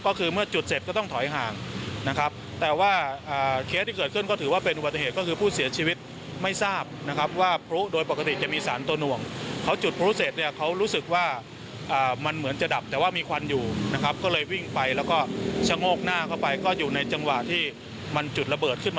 ก็คือเมื่อจุดเสร็จก็ต้องถอยห่างนะครับแต่ว่าเคสที่เกิดขึ้นก็ถือว่าเป็นอุบัติเหตุก็คือผู้เสียชีวิตไม่ทราบนะครับว่าพลุโดยปกติจะมีสารตัวหน่วงเขาจุดพลุเสร็จเนี่ยเขารู้สึกว่ามันเหมือนจะดับแต่ว่ามีควันอยู่นะครับก็เลยวิ่งไปแล้วก็ชะโงกหน้าเข้าไปก็อยู่ในจังหวะที่มันจุดระเบิดขึ้นมา